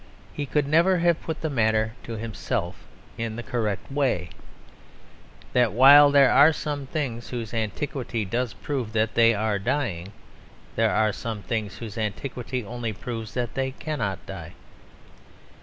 He could never have put the matter to himself in the correct way that while there are some things whose antiquity does prove that they are dying, there are some other things whose antiquity only proves that they cannot die.